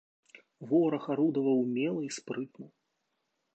Вораг арудаваў умела і спрытна.